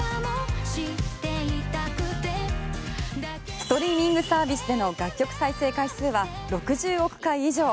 ストリーミングサービスでの楽曲再生回数は６０億回以上。